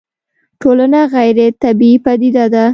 ټولنه غيري طبيعي پديده ده